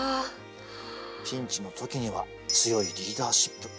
ピンチの時には強いリーダーシップ。